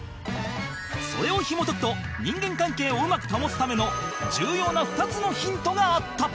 それをひもとくと人間関係をうまく保つための重要な２つのヒントがあった